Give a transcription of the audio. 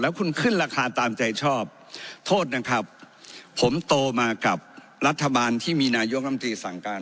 คุณขึ้นราคาตามใจชอบโทษนะครับผมโตมากับรัฐบาลที่มีนายกรรมตรีสั่งการ